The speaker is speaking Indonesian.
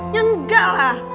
ya enggak lah